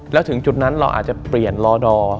แล้วถึงจุดนั้นเราอาจจะเปลี่ยนรอดอร์